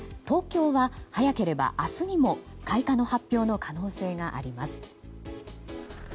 東京は早ければ明日にも開花の発表の可能性があります。